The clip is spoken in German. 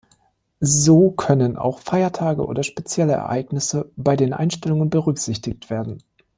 So können auch Feiertage oder spezielle Ereignisse bei den Einstellungen berücksichtigt werden.